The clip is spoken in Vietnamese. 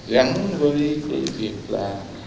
gắn với việc là